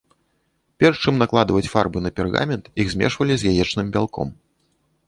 Перш чым накладваць фарбы на пергамент, іх змешвалі з яечным бялком.